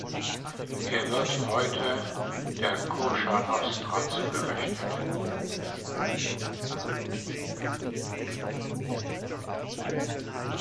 Er wird heute der Kosher Nostra zugerechnet.